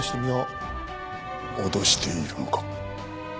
脅しているのか。